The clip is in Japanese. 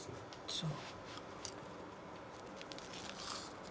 そう。